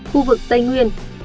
khu vực tây nguyên